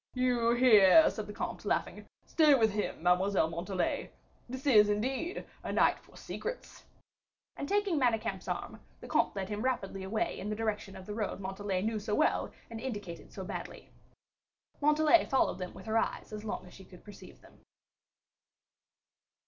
"You hear," said the comte, laughing; "stay with him, Mademoiselle Montalais. This is, indeed, a night for secrets." And, taking Manicamp's arm, the comte led him rapidly away in the direction of the road Montalais knew so well, and indicated so badly. Montalais followed them with her eyes as long as she could perceive them.